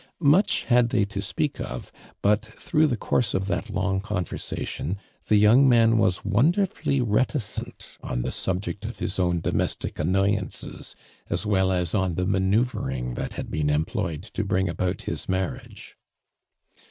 Much had they to speak of, but through the course of that long conversation the young man was wonderfully reticent on the subject of his own domestic annoyances, as well as on the mana>uvering that had been employed to bring about his marriage.